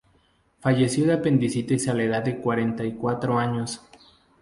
Falleció de apendicitis a la edad de cuarenta y cuatro años.